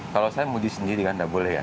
kalau saya mau di sendiri kan tidak boleh ya